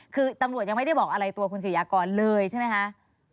คือตำรวจยังไม่ได้บอกอะไรตัวคุณศรียากรเลยใช่ไหมคะ